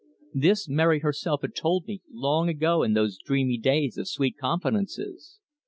This Mary herself had told me long ago in those dreamy days of sweet confidences.